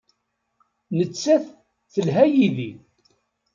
Nettat telha yid-i.